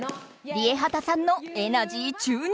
ＲＩＥＨＡＴＡさんのエナジー注入！